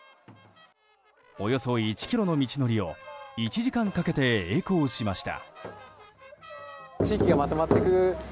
およそ１ｋｍの道のりを１時間かけて曳行しました。